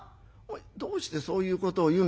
どうしてそういうことを言うんだろうね。